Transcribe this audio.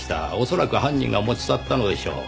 恐らく犯人が持ち去ったのでしょう。